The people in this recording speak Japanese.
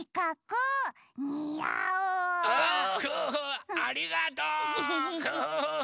おありがとう！